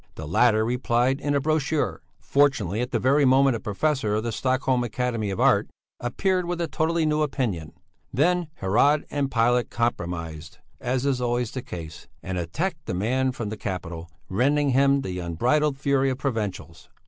The latter replied in a brochure. Fortunately at the very moment a professor of the Stockholm Academy of Art appeared with a totally new opinion; then Herod and Pilate "compromised," as is always the case, and attacked the man from the capital, rending him with the unbridled fury of provincials.